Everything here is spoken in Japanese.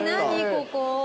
ここ。